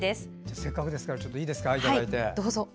せっかくですからいいですか、いただいて。